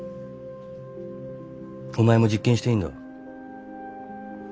お前も実験していいんだ。